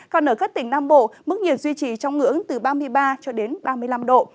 còn ở các tỉnh nam bộ mức nhiệt duy trì trong ngưỡng từ ba mươi ba cho đến ba mươi năm độ